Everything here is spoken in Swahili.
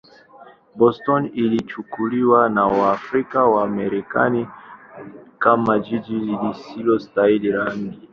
Boston ilichukuliwa na Waafrika-Wamarekani kama jiji lisilostahimili rangi.